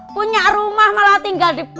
punya rumah malah tinggal di